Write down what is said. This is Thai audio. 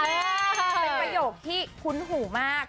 เป็นประโยคที่คุ้นหูมาก